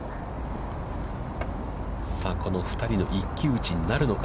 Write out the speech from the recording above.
さあこの２人の一騎打ちになるのか。